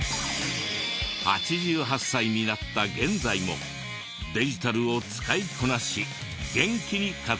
８８歳になった現在もデジタルを使いこなし元気に活動中です。